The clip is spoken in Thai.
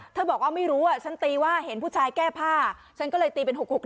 บอกว่าไม่รู้ฉันตีว่าเห็นผู้ชายแก้ผ้าฉันก็เลยตีเป็น๖๖๑